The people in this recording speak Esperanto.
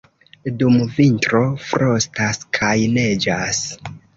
Dum vintro frostas kaj neĝas.